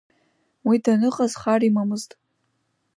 Уа даныҟаз хар имамызт.